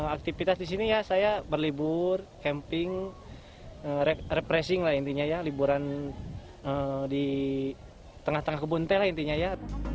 aktivitas di sini ya saya berlibur camping represing lah intinya ya liburan di tengah tengah kebun teh lah intinya ya